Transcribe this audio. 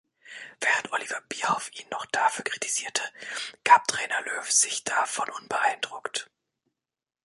Während Oliver Bierhoff ihn noch dafür kritisierte, gab Trainer Löw sich davon unbeeindruckt.